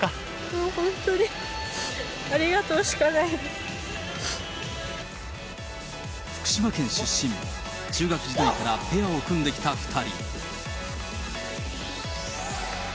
もう本当に、福島県出身、中学時代からペアを組んできた２人。